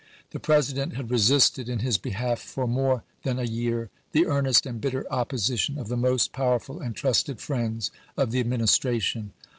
The Presi dent had resisted in his behalf, for more than a year, the earnest and bitter opposition of the most powerful and trusted friends of the Admin istration.